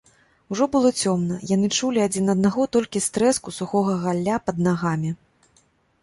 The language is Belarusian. Ужо было цёмна, яны чулі адзін аднаго толькі з трэску сухога галля пад нагамі.